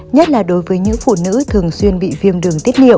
nhất là đối với những phụ nữ thường xuyên bị viêm đường tiết niệu